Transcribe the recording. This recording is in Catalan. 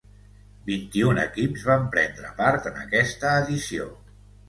Vint-i-un equips van prendre part en aquesta edició.